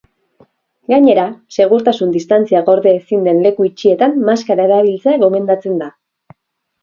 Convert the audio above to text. Gainera, segurtasun-distantzia gorde ezin den leku itxietan maskara erabiltzea gomendatzen da.